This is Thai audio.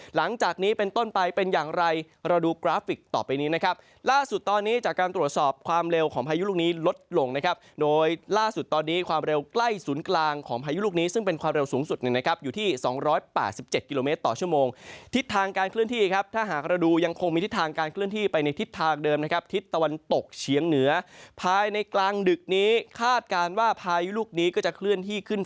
หลังจากนี้เป็นต้นไปเป็นอย่างไรเราดูกราฟิกต่อไปนี้นะครับล่าสุดตอนนี้จากการตรวจสอบความเร็วของพายุลูกนี้ลดลงนะครับโดยล่าสุดตอนนี้ความเร็วกล้ายศูนย์กลางของพายุลูกนี้ซึ่งเป็นความเร็วสูงสุดหนึ่งนะครับอยู่ที่๒๘๗กิโลเมตรต่อชั่วโมงทิศทางการเคลื่อนที่ครับถ้าหากระดูยังคงมีทิศทางการเคลื่